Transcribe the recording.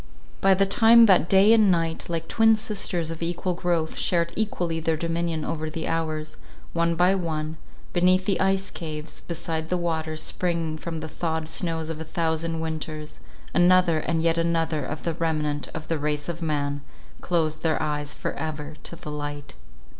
By the time that day and night, like twin sisters of equal growth, shared equally their dominion over the hours, one by one, beneath the ice caves, beside the waters springing from the thawed snows of a thousand winters, another and yet another of the remnant of the race of Man, closed their eyes for ever to the light.